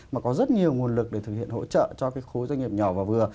mà có rất nhiều nguồn lực để thực hiện hỗ trợ cho cái khối doanh nghiệp nhỏ và vừa